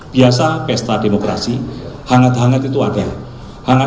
biasa pesta demokrasi hangat hangat itu ada hangat